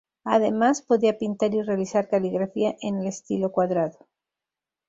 Además podía pintar y realizar caligrafía en el estilo cuadrado.